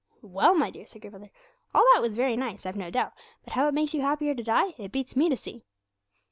"' 'Well, my dear,' said grandmother, 'all that was very nice, I've no doubt; but how it makes you any happier to die, it beats me to see.'